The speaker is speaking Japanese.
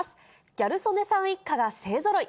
ギャル曽根さん一家が勢ぞろい。